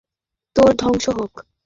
সম্রাট বলল, তোর ধ্বংস হোক।